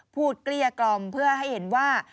เกลี้ยกล่อมเพื่อให้เห็นว่า